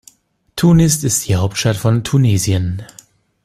Tunis ist die Hauptstadt von Tunesien.